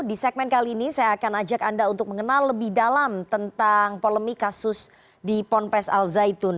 di segmen kali ini saya akan ajak anda untuk mengenal lebih dalam tentang polemik kasus di ponpes al zaitun